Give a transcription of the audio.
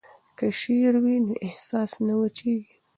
که شعر وي نو احساس نه وچیږي.